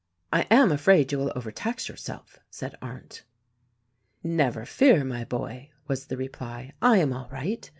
"I am afraid you will overtax yourself," said Arndt. "Never fear, my boy," was the reply, "I am all right!